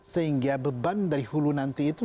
sehingga beban dari hulu nanti itu